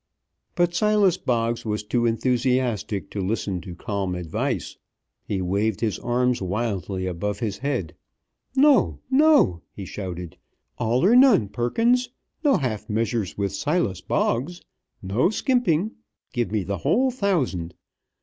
But Silas Boggs was too enthusiastic to listen to calm advice. He waved his arms wildly above his head. "No! no!" he shouted. "All, or none, Perkins! No half measures with Silas Boggs! No skimping! Give me the whole thousand!